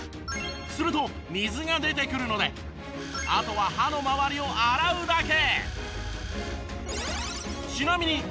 すると水が出てくるのであとは歯の周りを洗うだけ。